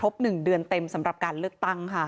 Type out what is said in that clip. ๑เดือนเต็มสำหรับการเลือกตั้งค่ะ